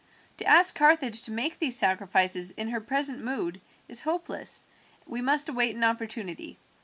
"To ask Carthage to make these sacrifices in her present mood is hopeless; we must await an opportunity.